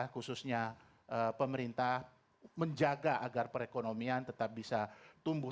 khususnya pemerintah menjaga agar perekonomian tetap bisa tumbuh